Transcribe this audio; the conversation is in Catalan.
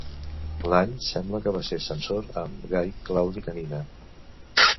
L'any sembla que va ser censor amb Gai Claudi Canina.